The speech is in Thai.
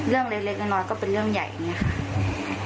เรื่องเล็กน้อยก็เป็นเรื่องใหญ่อย่างนี้ค่ะ